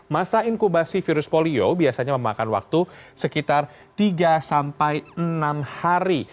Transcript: masa inkubasi virus polio biasanya memakan waktu sekitar tiga sampai enam hari